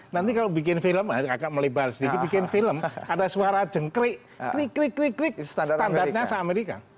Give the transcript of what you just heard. nanti kalau bikin film kakak melebar sedikit bikin film ada suara jengkrik krik krik krik krik standarnya se amerika